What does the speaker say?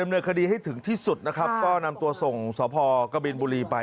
บัตรภูมิหายบัตรภูมิหาย